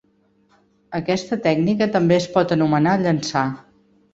Aquesta tècnica també es pot anomenar llençar.